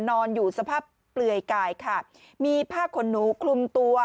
นอนอยู่สภาพเปลือยกายค่ะมีผ้าขนหนูคลุมตัว